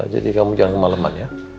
jadi kamu jangan kemaleman ya